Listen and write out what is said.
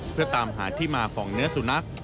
เพื่อตามหาที่มาของเนื้อสุนัข